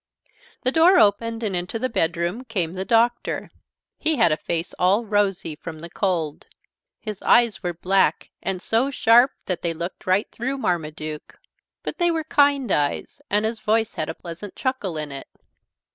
The door opened and into the bedroom came the Doctor. He had a face all rosy from the cold. His eyes were black and so sharp that they looked right through Marmaduke. But they were kind eyes and his voice had a pleasant chuckle in it.